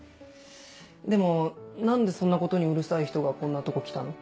でも何でそんなことにうるさい人がこんなとこ来たの？